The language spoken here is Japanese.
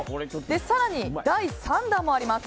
更に第３弾もあります。